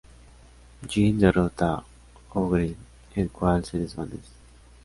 Jin derrota a Ogre, el cual se desvanece.